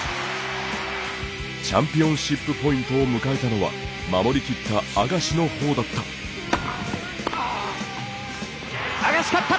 チャンピオンシップポイントを迎えたのは守りきったアガシのほうだった。